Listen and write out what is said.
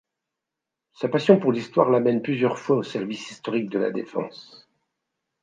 Sa passion pour l'Histoire l'amène plusieurs fois au service historique de la défense.